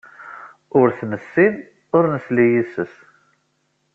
Ur t-nessin, ur nesli yes-s.